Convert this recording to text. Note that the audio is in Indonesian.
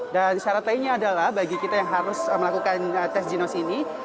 dan syarat lainnya adalah bagi kita yang harus melakukan tes ginos ini